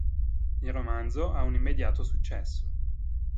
Il romanzo ha un immediato successo.